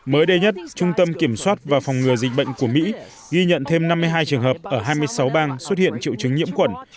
mới đây nhất trung tâm kiểm soát và phòng ngừa dịch bệnh của mỹ ghi nhận thêm năm mươi hai trường hợp ở hai mươi sáu bang xuất hiện triệu chứng nhiễm khuẩn